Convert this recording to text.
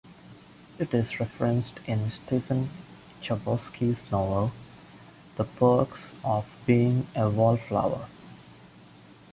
It is referenced in Stephen Chbosky's novel "The Perks of Being a Wallflower".